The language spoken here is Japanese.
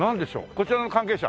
こちらの関係者？